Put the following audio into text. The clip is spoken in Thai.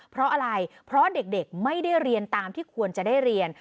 เพราะอะไรเพราะเด็กไม่ได้เรียนตามที่ควรจะได้เรียน